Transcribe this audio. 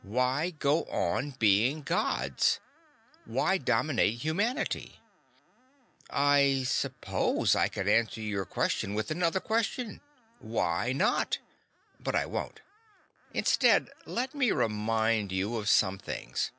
"Why go on being Gods? Why dominate humanity?" "I suppose I could answer your question with another question why not? But I won't. Instead, let me remind you of some things.